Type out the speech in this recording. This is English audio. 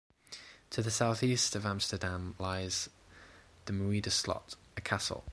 To the southeast of Amsterdam lies the Muiderslot, a castle.